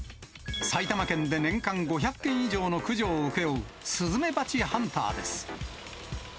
埼玉県で年間５００件以上の駆除を請け負う、スズメバチハンターです。